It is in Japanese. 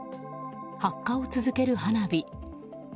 発火を続ける花火。